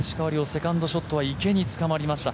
セカンドショットは池につかまりました。